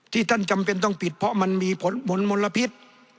ท่านจำเป็นต้องปิดเพราะมันมีผลมลพิษ